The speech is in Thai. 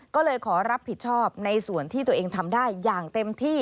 ก็เลยขอรับผิดชอบในส่วนที่ตัวเองทำได้อย่างเต็มที่